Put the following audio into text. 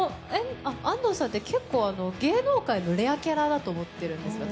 安藤さんって芸能界のレアキャラだと思ってるんです、私。